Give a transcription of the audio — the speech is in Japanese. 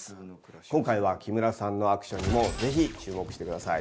今回は木村さんのアクションにもぜひ注目してください。